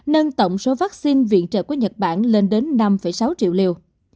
nâng tổng số vaccine viện trợ của nhật bản lên đến năm sáu triệu liều